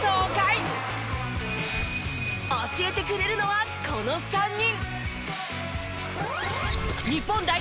教えてくれるのはこの３人。